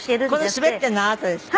この滑っているのあなたですか？